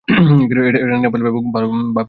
এটা নেপালে ব্যাপক ভাবে লাগানো হয়েছে।